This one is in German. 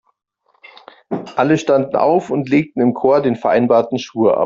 Alle standen auf und legten im Chor den vereinbarten Schwur ab.